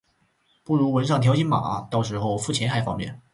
不如纹上条形码，到时候付钱还方便